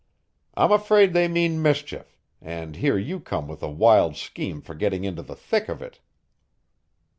"I'm afraid they mean mischief, and here you come with a wild scheme for getting into the thick of it."